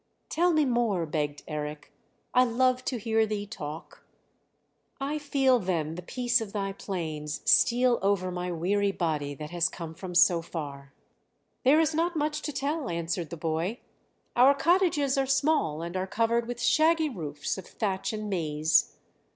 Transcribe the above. "Tell me more," begged Eric. "I love to hear thee talk. I feel then the peace of thy plains steal over my weary body that has come from so far." "There is not much to tell," answered the boy. "Our cottages are small and are covered with shaggy roofs of thatch and maize.